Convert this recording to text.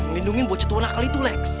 melindungi bocot orang nakal itu lex